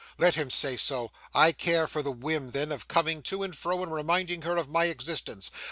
Let him say so. I care for the whim, then, of coming to and fro and reminding her of my existence.